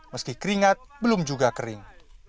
meski keringat belum juga kering